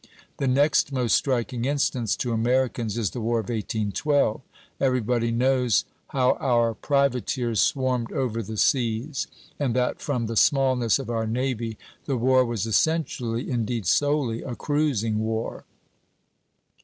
The next most striking instance to Americans is the War of 1812. Everybody knows how our privateers swarmed over the seas, and that from the smallness of our navy the war was essentially, indeed solely, a cruising war.